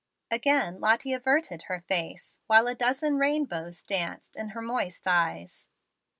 Again Lottie averted her face, while a dozen rainbows danced in her moist eyes.